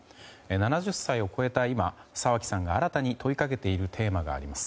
７０歳を超えた今沢木さんが新たに問いかけているテーマがあります。